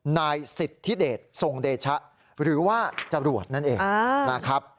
นายสิทธิเดชทรงเดชะหรือว่าจรวดนั่นเองนะครับ